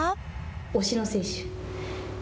推しの選手。